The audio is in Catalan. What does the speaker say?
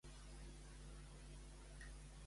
Com qualifica la decisió de Borrell?